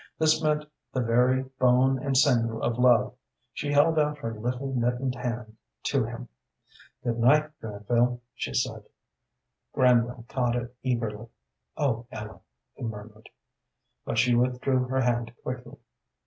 This meant the very bone and sinew of love. She held out her little, mittened hand to him. "Good night, Granville," she said. Granville caught it eagerly. "Oh, Ellen," he murmured. But she withdrew her hand quickly.